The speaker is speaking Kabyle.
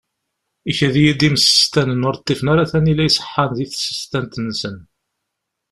Ikad-iyi-d imsestanen ur ṭṭifen ara tanila iṣeḥḥan di tsestant-nsen.